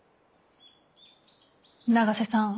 永瀬さん